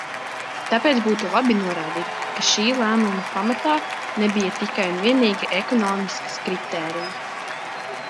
Tāpēc būtu labi norādīt, ka šī lēmuma pamatā nebija tikai un vienīgi ekonomikas kritēriji.